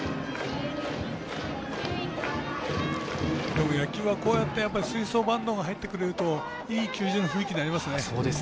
でも野球は吹奏バンドが入ってくるといい球場の雰囲気になりますね。